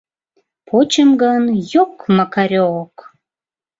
Почым гын — йок-макаре-ок!..